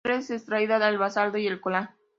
La piedra es extraída del basalto y el coral.